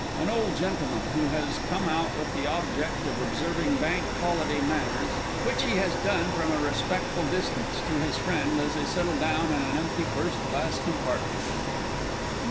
AN OLD GENTLEMAN (_who has come out with the object of observing Bank Holiday manners which he has done from a respectful distance to his friend, as they settle down in an empty first class compartment_).